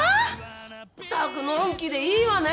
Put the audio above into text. ったくのんきでいいわね！